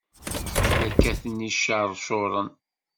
La kkaten iceṛcuṛen!